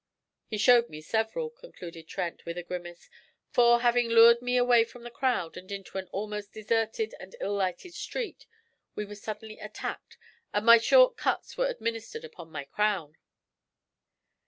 'He showed me several,' concluded Trent, with a grimace; 'for, having lured me away from the crowd and into an almost deserted and ill lighted street, we were suddenly attacked, and my "short cuts" were administered upon my crown.'